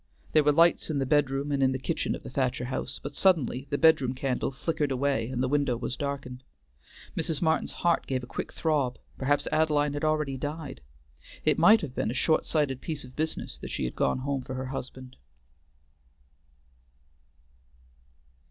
There were lights in the bedroom and in the kitchen of the Thacher house, but suddenly the bedroom candle flickered away and the window was darkened. Mrs. Martin's heart gave a quick throb, perhaps Adeline had already died. It might have been a short sighted piece of business that she had gone home for her husband.